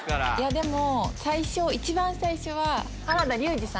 でも一番最初は。